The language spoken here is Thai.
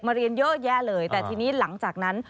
เรียนเยอะแยะเลยแต่ทีนี้หลังจากนั้น